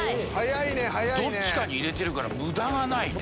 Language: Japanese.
どっちかに入れてるから無駄がないね。